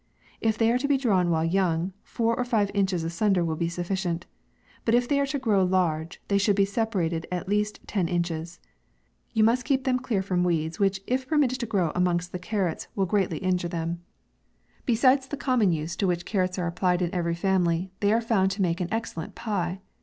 If they are to be drawn while young, four or five inches asunder will be sufficient ; but if they are to grow large, they should be separated at least ten inches. You must yet keep them clear from weeds, which, if permitted to grow a mongst the carrots, will greatly injure them. MAY. 85 Besides the common use to which carrots are applied in every family, they are found to make an excellent pie.